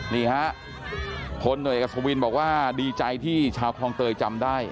นี่ฮะพลหน่วยเอกศวินบอกว่าดีใจที่ชาวคลองเตยจำได้